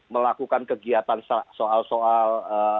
melakukan kegiatan soal soal